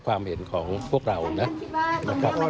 ก็เหมือนกันจะเป็นการหลีกเลี่ยงเจตนาลมของรัฐธรรมนุน